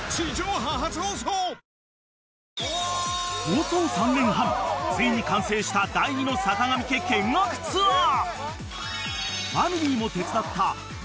［構想３年半ついに完成した第２の坂上家見学ツアー］